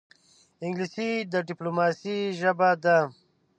انګلیسي د ډیپلوماسې ژبه ده